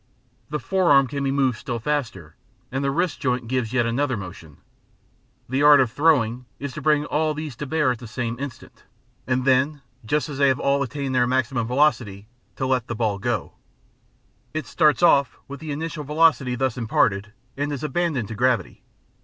The fore arm can be moved still faster, and the wrist joint gives yet another motion: the art of throwing is to bring all these to bear at the same instant, and then just as they have all attained their maximum velocity to let the ball go. It starts off with the initial velocity thus imparted, and is abandoned to gravity.